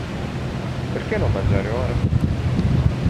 Perché non mangiare ora?